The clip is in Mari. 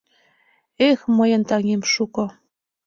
Эх, мыйын таҥем шуко